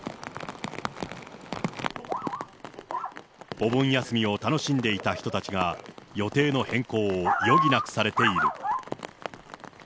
お盆休みを楽しんでいた人たちが、予定の変更を余儀なくされている。